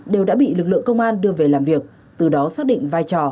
đều đã bị lực lượng công an đưa về làm việc từ đó xác định vai trò